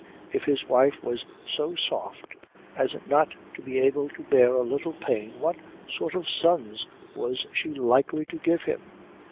If his wife was so soft as not to be able to bear a little pain what sort of sons was she likely to give him?